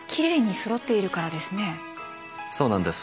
そうなんです。